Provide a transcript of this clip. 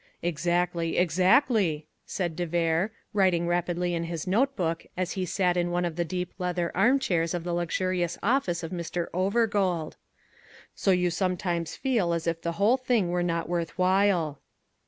"Exactly, exactly," said de Vere, writing rapidly in his note book as he sat in one of the deep leather armchairs of the luxurious office of Mr. Overgold. "So you sometimes feel as if the whole thing were not worth while."